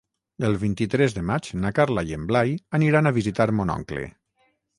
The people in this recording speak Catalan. El vint-i-tres de maig na Carla i en Blai aniran a visitar mon oncle.